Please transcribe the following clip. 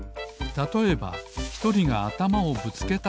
たとえばひとりがあたまをぶつけたとします